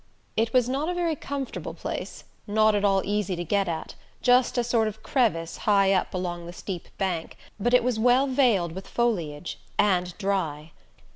It was not a very comfortable place, not at all easy to get at, just a sort of crevice high up along the steep bank, but it was well veiled with foliage and dry.